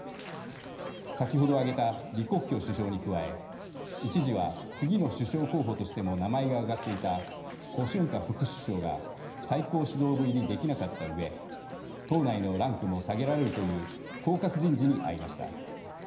先ほど挙げた李克強首相に加え一時は次の首相候補としても名前が挙がっていた胡春華副首相が最高指導部入りできなかったうえ党内のランクも下げられるという降格人事に遭いました。